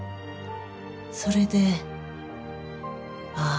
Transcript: それでああ